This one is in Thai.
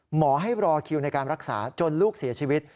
หมอให้รอคิวในการรักษาจนลูกเสียชีวิต